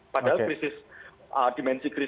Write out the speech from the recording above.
padahal krisis dimensi krisis